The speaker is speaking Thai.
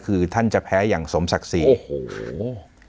คือท่านจะแพ้อย่างสมศักดิ์ศรีโอ้โห